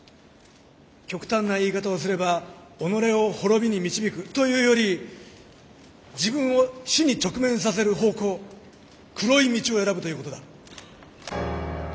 極端な言い方をすれば己を滅びに導くというより自分を死に直面させる方向黒い道を選ぶということだ。